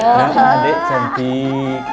nah adik cantik